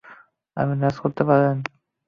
আপনি নাচ করতে পারেন?